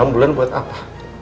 enam bulan buat apa